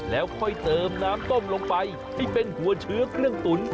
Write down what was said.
แล้วค่อยเติมน้ำต้มลงไปให้เป็นหัวเชื้อเครื่องตุ๋น